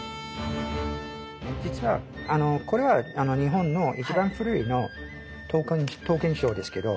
実はこれは日本の一番古い刀剣書ですけど。